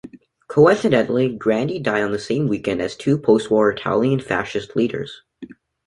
Coincidentally, Grandi died on the same weekend as two postwar Italian Fascist leaders.